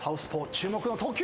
注目の投球。